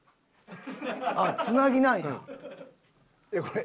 あっつなぎなんや。